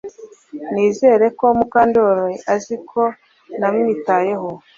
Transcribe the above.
Nizere ko Mukandoli azi uko namwitayeho